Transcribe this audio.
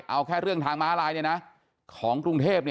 เอาแค่เรื่องทางม้าลายของกรุงเทพ